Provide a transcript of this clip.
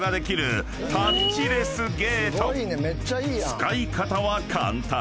［使い方は簡単］